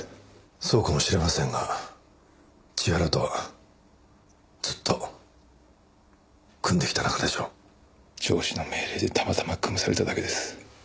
そうかもしれませんが千原とはずっと組んでいた仲でしょう？上司の命令でたまたま組まされただけです。